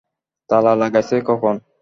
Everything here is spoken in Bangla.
তালা লাগাইসে কখন?